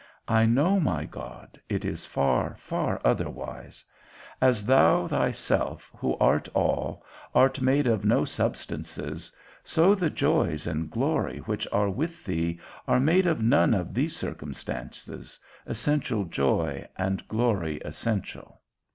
I know, my God, it is far, far otherwise. As thou thyself, who art all, art made of no substances, so the joys and glory which are with thee are made of none of these circumstances, essential joy, and glory essential.